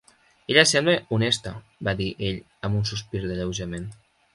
"Ella sembla honesta", va dir ell, amb un sospir d"alleujament.